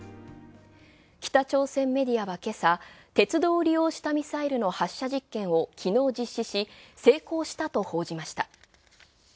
北朝鮮メディアは今朝、鉄道を利用したミサイルの発射実験を昨日実施し、成功したと報じました。